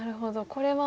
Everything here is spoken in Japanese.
これは。